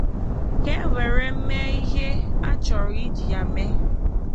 ka e were mee ihe a chọrọ iji ya mee